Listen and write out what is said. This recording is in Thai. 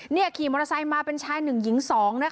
ขี่มอเตอร์ไซค์มาเป็นชายหนึ่งหญิงสองนะคะ